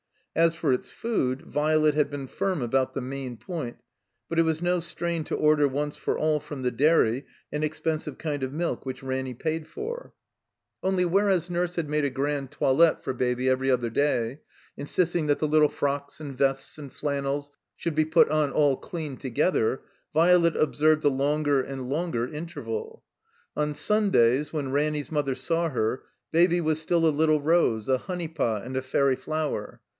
As for its food, Violet had been firm about the main point, but it was no strain to order once for all from the dairy an expensive kind of milk which Ranny paid for. i66 THE COMBINED MAZE Only, whereas Ntirse had made a Grand Toilette for Baby every other day, insisting that the little frocks and vests and flannels should be put on aU dean together, Violet observed a longer and longer interval. On Sundays, when Ranny's mother saw her. Baby was still a Little Rose, a Hone3rix>t, and a Fairy Flower.